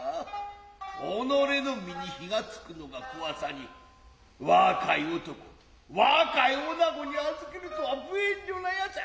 おのれの身に火が付くのが恐さに若い男を若い女子に預けるとは不遠慮なやっちゃ。